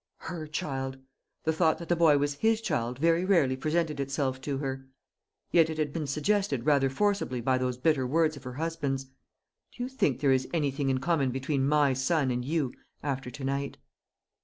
Her child! The thought that the boy was his child very rarely presented itself to her. Yet it had been suggested rather forcibly by those bitter words of her husband's: "Do you think there is anything in common between my son and you, after to night?"